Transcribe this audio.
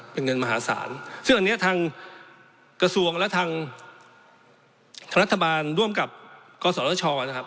เป็นเงินมหาศาลซึ่งอันนี้ทางกระทรวงและทางรัฐบาลร่วมกับกศชนะครับ